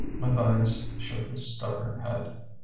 Matthias shook his stubborn head.